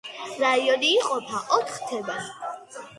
რაიონი იყოფა ოთხ თემად.